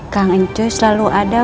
kang encuy selalu ada